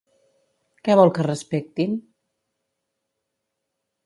Què vol que respectin?